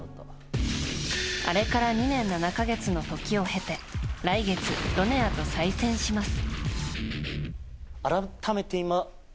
あれから２年７か月の時を経て来月、ドネアと再戦します。